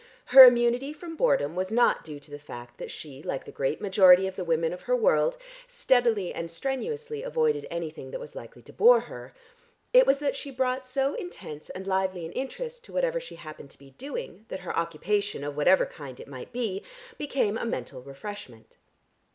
Her immunity from boredom was not due to the fact that she, like the great majority of the women of her world, steadily and strenuously avoided anything that was likely to bore her: it was that she brought so intense and lively an interest to whatever she happened to be doing, that her occupation, of whatever kind it might be, became a mental refreshment.